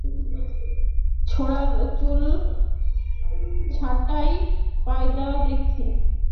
ছোড়ার চুল ছাঁটার কায়দা দেখেছিস!